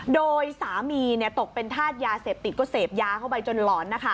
โดยสามีตกเป็นธาตุยาเสพติดก็เสพยาเข้าไปจนหลอนนะคะ